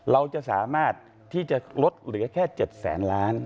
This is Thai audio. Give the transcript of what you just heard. เราจะสามารถที่จะลดเหลือแค่๗แสนล้าน